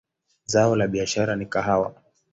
Zao la biashara ni kahawa.